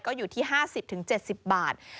ก็อยู่ที่๕๐๗๐บาท